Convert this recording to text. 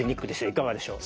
いかがでしょう？